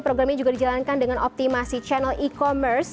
program ini juga dijalankan dengan optimasi channel e commerce